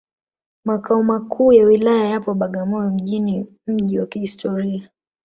Makao Makuu ya Wilaya yapo Bagamoyo mjini mji wa kihistoria